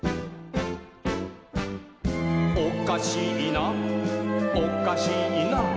「おかしいなおかしいな」